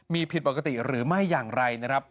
มีผิดปกติหรือไม่อย่างไรนะครับ